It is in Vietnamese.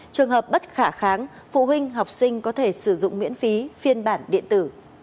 trường hợp bất khả kháng phụ huynh học sinh có thể sử dụng miễn phí phiên bản điện tử